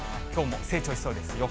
きょうも成長しそうです。